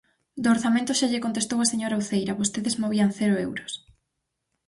Do orzamento xa lle contestou a señora Uceira: vostedes movían cero euros.